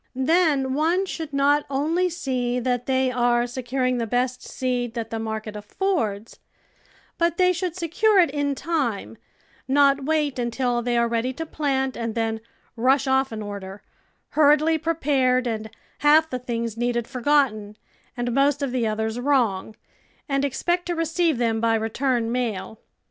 Then one should not only see that they are se curinjy the best seed that the market affords but they should secure it in time, not wait until they are ready to plant and then rush off an order, hur riedly prepared and half the things needed for gotten and most of the others ^vrong, and expect to receive them by return mail.